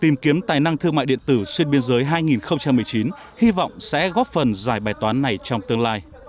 nền tảng thương mại điện tử việt nam đang thể hiện sự phát triển vượt bậc khi lọt vào tốp sáu thị trường năng